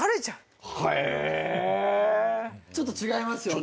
ちょっと違いますよね